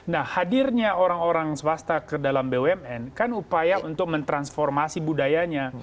nah hadirnya orang orang swasta ke dalam bumn kan upaya untuk mentransformasi budayanya